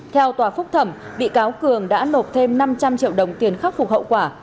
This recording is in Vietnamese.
theo tòa phúc thẩm bị cáo cường đã nộp thêm năm trăm linh triệu đồng tiền khắc phục hậu quả